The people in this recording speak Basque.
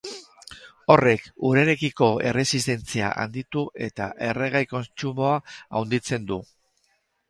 Horrek urarekiko erresistentzia handitu eta erregai kontsumoa handitzen du.